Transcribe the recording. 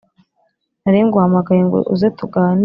naringuhamagaye ngo uze tuganire”